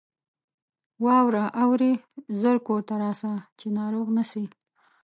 واوره اوري ! ژر کورته راسه ، چې ناروغ نه سې.